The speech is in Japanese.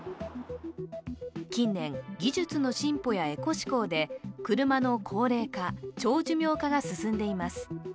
近年、技術の進歩やエコ志向で車の高齢化・長寿命化が進んでいます。